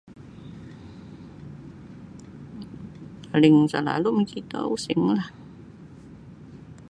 Paling salalu' mokito usinglah.